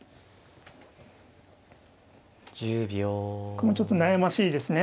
これもちょっと悩ましいですね。